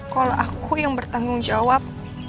kalau aku yang bertanggung jawab